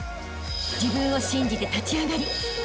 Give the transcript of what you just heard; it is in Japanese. ［自分を信じて立ち上がりあしたへ